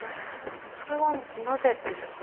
それはなぜですか？